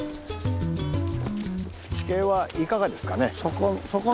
地形はいかがですかね？